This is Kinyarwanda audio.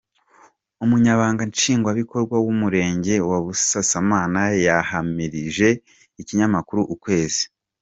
Umunyamabanga Nshingwabikorwa w’umurenge wa Busasamana yahamirije ikinyamakuru Ukwezi.